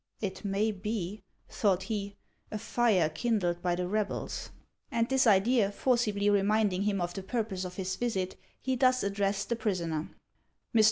" It may be," thought he, " a fire kindled by the rebels ;" and this idea forcibly reminding him of the purpose of his visit, he thus addressed the prisoner :" Mr. HAXS OF ICELAND.